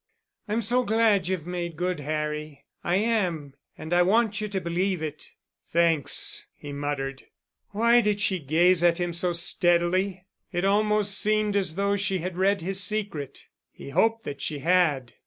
"I'm so glad you've made good, Harry. I am. And I want you to believe it." "Thanks," he muttered. Why did she gaze at him so steadily? It almost seemed as though she had read his secret. He hoped that she had.